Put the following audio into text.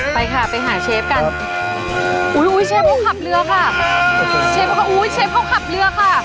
มันเป็นอะไร